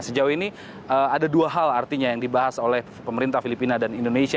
sejauh ini ada dua hal artinya yang dibahas oleh pemerintah filipina dan indonesia